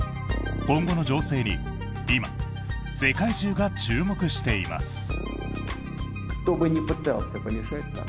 今後の情勢に今、世界中が注目しています。